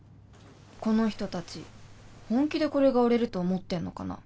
この人達本気でこれが売れると思ってんのかな？